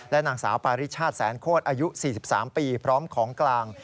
นางสาวปาริชาติแสนโคตรอายุ๔๓ปีพร้อมของกลาง